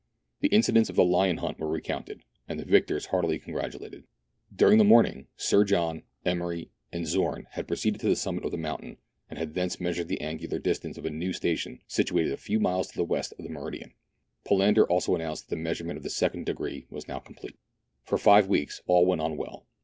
The incidents of the lion hunt were recounted, and the victors heartily congratulated. During the morning Sir John, Emery, and Zorn had proceeded to the summit of the mountain, and had thence measured th« angular distance of a new station situated a few miles to the west of the meridian. Palander also an nounced that the measurement of the second degree was now complete. For five weeks all went on well.